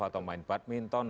atau main badminton